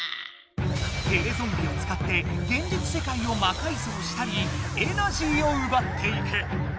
テレゾンビをつかって現実世界をまかいぞうしたりエナジーをうばっていく。